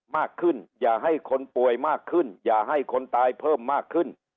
มากขึ้นอย่าให้คนป่วยมากขึ้นอย่าให้คนตายเพิ่มมากขึ้น